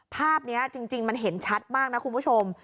ภาพนี้จริงมันเห็นชัดมากนะคุณผู้ชม